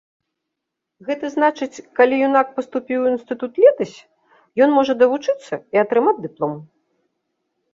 Гэта значыць, калі юнак паступіў у інстытут летась, ён можа давучыцца і атрымаць дыплом.